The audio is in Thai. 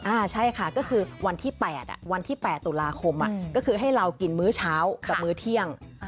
ใช่ค่ะก็คือวันที่๘วันที่๘ตุลาคมก็คือให้เรากินมื้อเช้ากับมื้อเที่ยง